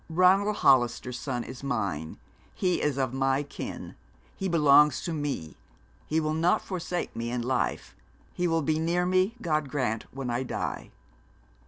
Ronald Hollister's son is mine; he is of my kin; he belongs to me; he will not forsake me in life; he will be near me, God grant, when I die.'